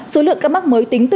số lượng ca mắc mới tính từ